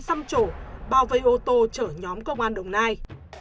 xăm chỗ bao vây ô tô chở nhóm công an đồng nai